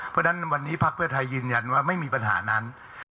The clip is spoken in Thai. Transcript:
เพราะฉะนั้นวันนี้ภักดิ์เพื่อไทยยืนยันว่าไม่มีปัญหานั้น